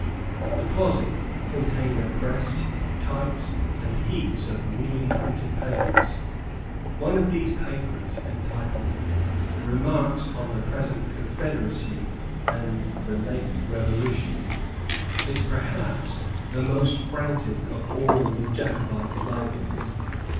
The closet contained a press, types and heaps of newly printed papers. One of these papers, entitled Remarks on the Present Confederacy and the Late Revolution, is perhaps the most frantic of all the Jacobite libels.